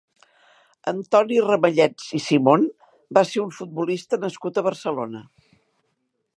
Antoni Ramallets i Simón va ser un futbolista nascut a Barcelona.